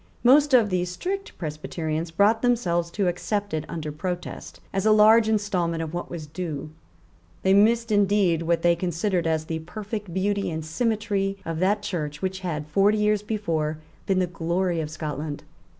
Most of the strict Presbyterians brought themselves to accept it under protest, as a large instalment of what was due. They missed indeed what they considered as the perfect beauty and symmetry of that Church which had, forty years before, been the glory of Scotland.